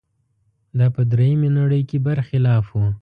دا په درېیمې نړۍ کې برخلاف و.